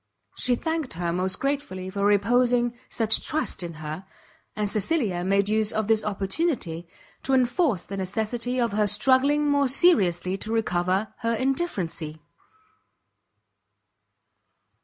She thanked her most gratefully for reposing such trust in her; and Cecilia made use of this opportunity, to enforce the necessity of her struggling more seriously to recover her indifferency.